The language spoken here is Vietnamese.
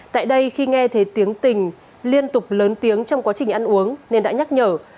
tại đây khi nghe thấy tiếng tình liên tục lớn tiếng trong quá trình ăn uống nên đã nhắc nhở